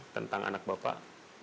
tentang anak bapak